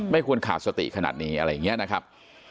ควรขาดสติขนาดนี้อะไรอย่างนี้นะครับ